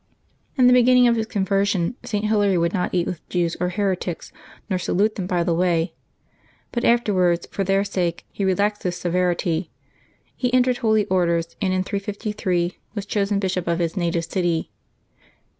In the beginning of his conversion St. Hilary would not eat with Jews or heretics, nor salute them by the way ; but afterwards, for their sake, he relaxed this severity. He entered Holy Orders, and in 353 was chosen bishop of his native city.